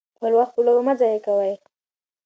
خپل وخت په لوبو مه ضایع کوئ.